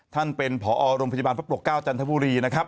ท่านเป็นผรพประปรกเก้าจันทบุรีนะครับ